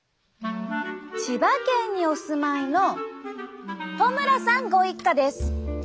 千葉県にお住まいの戸村さんご一家です。